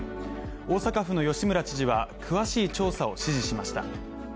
大阪府の吉村知事は詳しい調査を指示しました。